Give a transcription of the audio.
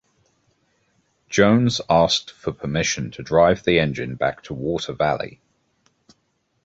Jones asked for permission to drive the engine back to Water Valley.